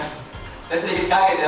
saya sedikit kaget ya